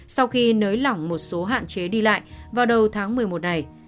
sau khi nới lỏng một số hạn chế đi lại vào đầu tháng một mươi một này